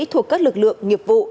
thuộc các lực lượng nghiệp vụ